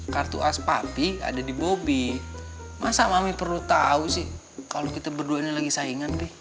kartu as papi ada di bobby masa mami perlu tahu sih kalau kita berduanya lagi saingan pi